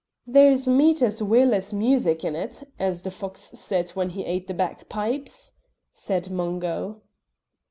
"There's meat as weel as music in it, as the fox said when he ate the bagpipes," said Mungo.